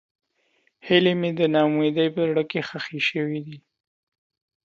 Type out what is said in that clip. هیلې مې د نا امیدۍ په زړه کې ښخې شوې.